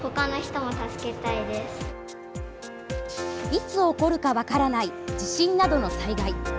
いつ起こるか分からない地震などの災害。